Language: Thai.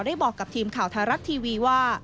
ได้บอกกับทีมข่าวไทยรัฐทีวีว่า